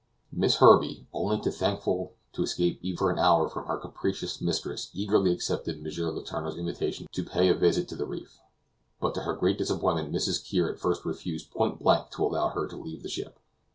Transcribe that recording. Miss Herbey, only to thankful to escape even for an hour from her capricious mistress, eagerly accepted M. Letourneur's invitation to pay a visit to the reef, but to her great disappointment Mrs. Kear at first refused point blank to allow her to leave the ship.